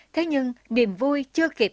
thế nhưng niềm vui chưa kịp